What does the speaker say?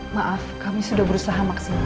maaf kami sudah berusaha maksimal